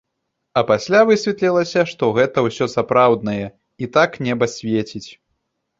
А пасля высветлілася, што гэта ўсё сапраўднае, і так неба свеціць.